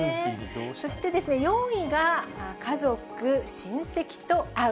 そして４位が家族・親戚と会う。